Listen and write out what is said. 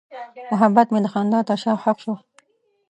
محبت مې د خندا تر شا ښخ شو.